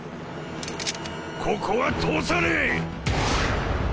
ここは通さねえ！